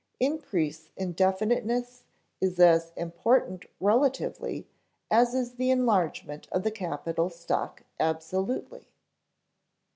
Increase in definiteness is as important relatively as is the enlargement of the capital stock absolutely.